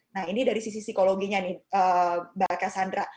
nah ini dari sisi psikologinya nih mbak cassandra